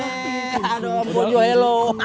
aduh bu joelo